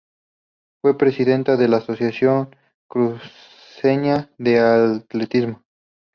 Fue presidenta de la Asociación Cruceña de Atletismo.